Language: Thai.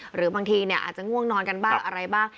หรือบางทีอาจจะง่วงนอนกันบ้างอะไรบ้าง